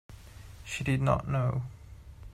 She did not know.